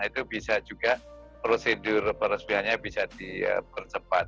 itu bisa juga prosedur peresmiannya bisa dipercepat